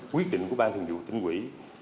quyết định của ban thường dụ tỉnh quỹ